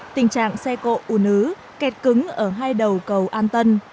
tình trạng xe cộ un ứ kẹt cứng ở hai đầu cầu an tân